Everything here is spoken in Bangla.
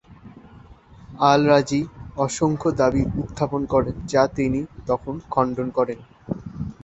আল-রাজি অসংখ্য দাবি উত্থাপন করেন, যা তিনি তখন খণ্ডন করেন।